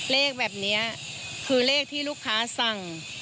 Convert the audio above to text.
เลขแบบนี้คือเลขที่ลูกค้าสั่ง